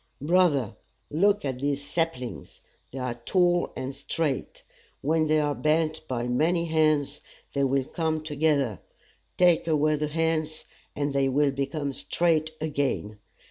"Brother, look at these saplings! They are tall and straight. When they are bent by many hands, they will come together. Take away the hands, and they will become straight again.